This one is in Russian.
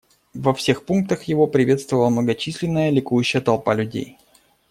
Во всех пунктах его приветствовала многочисленная ликующая толпа людей.